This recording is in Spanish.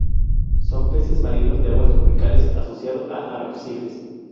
Son peces marinos de aguas tropicales, asociado a arrecifes.